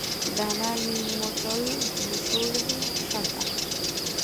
ডানার নিম্নতল ধূসর সাদা।